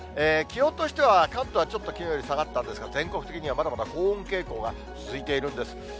気温としては関東はちょっときのうより下がったんですが、全国的には、まだまだ高温傾向が続いているんです。